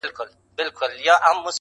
o فکر مه کوه، چي دا وړۍ دي شړۍ سي.